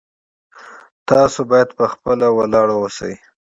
تاسو باید په خپله ولاړ اوسئ